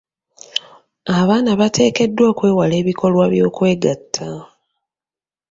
Abaana bateekeddwa okwewala ebikolwa by'okwegatta.